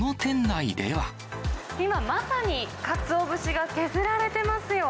今、まさにかつお節が削られてますよ。